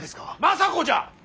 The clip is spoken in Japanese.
政子じゃ！